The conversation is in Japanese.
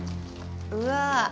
うわ！